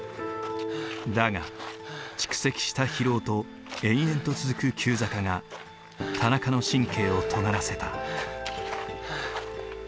だが蓄積した疲労と延々と続く急坂が田中の神経をとがらせた。